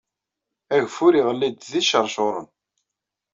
Ageffur, iɣelli-d d iceṛcuṛen.